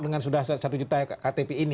dengan sudah satu juta ktp ini